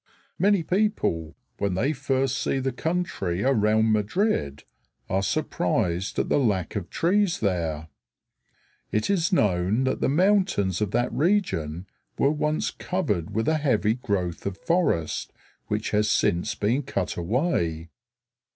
Many people, when they first see the country around Madrid, are surprised at the lack of trees there. It is known that the mountains of that region were once covered with a heavy growth of forest which has since been cut away.